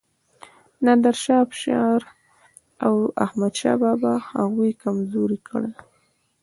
نادر شاه افشار او احمد شاه بابا هغوی کمزوري کړل.